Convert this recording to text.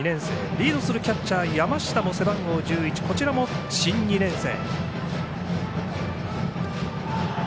リードするキャッチャー背番号１１の山下も新２年生。